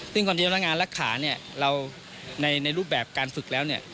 ซึ่งความที่เราทำงานลักขาเราในรูปแบบการฝึกแล้ว